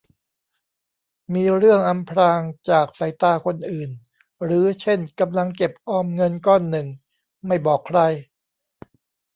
มีเรื่องอำพรางจากสายตาคนอื่น หรือเช่นกำลังเก็บออมเงินก้อนหนึ่งไม่บอกใคร